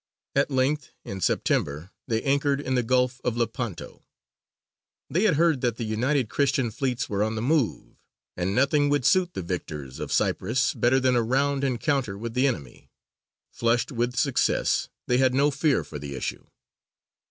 At length, in September, they anchored in the Gulf of Lepanto. They had heard that the united Christian fleets were on the move, and nothing would suit the victors of Cyprus better than a round encounter with the enemy. Flushed with success, they had no fear for the issue.